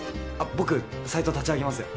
僕サイト立ち上げますよ。